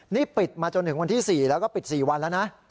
นี่ปิดมาจนถึงวันที่๔แล้วก็ปิด๔วันแล้วนะ